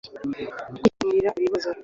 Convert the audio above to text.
mu kwikemurira ibibazo